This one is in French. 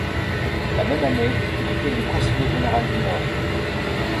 La même année, il est élu conseiller général du Nord.